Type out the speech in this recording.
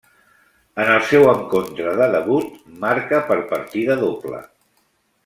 En el seu encontre de debut, marca per partida doble.